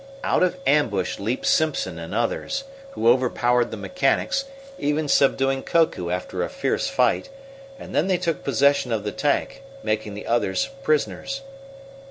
Out of ambush leaped Simpson and others, who overpowered the mechanics, even subduing Koku after a fierce fight, and then they took possession of the tank, making the others prisoners.